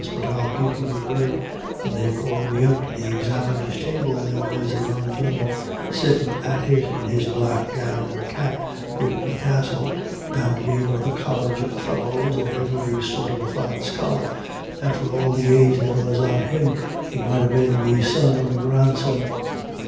But I'll give you me word, when they called me up to the examiner's table, there was a young gintleman sittin' at it in his black gown and his cap wid the tassel bound to be one of the College Fellows, and ivery sort of a fine scholar and for all the age there was on him he might ha' been me son or me grandson.